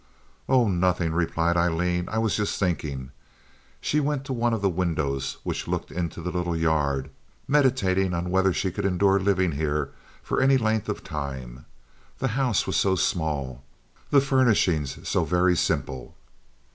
"Oh, nothing," replied Aileen. "I was just thinking." She went to one of the windows which looked into the little yard, meditating on whether she could endure living here for any length of time. The house was so small, the furnishings so very simple.